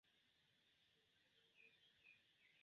Ĝi fariĝis la ĉefa bazo de la armena armeo en la sekvaj jaroj.